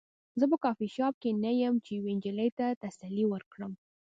زه په کافي شاپ کې نه یم چې یوې نجلۍ ته تسلي ورکړم